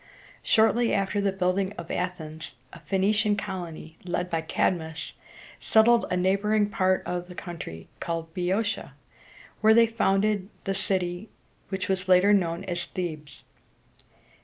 Shortly after the building of Athens, a Phoenician colony, led by Cad´mus, settled a neighboring part of the country, called Boe o´tia, where they founded the city which was later known as Thebes.